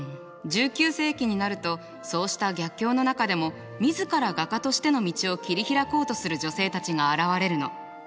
１９世紀になるとそうした逆境の中でも自ら画家としての道を切り開こうとする女性たちが現れるの。